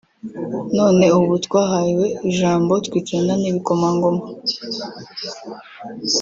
none ubu twahawe ijambo twicarana n’ibikomangoma